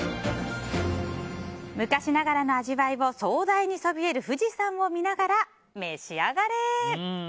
昔ながらの味わいを壮大にそびえる富士山を見ながら召し上がれ！